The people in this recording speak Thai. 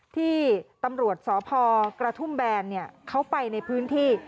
ที่ตำรวจสพกระทุ่มแบนเขาไปในพื้นที่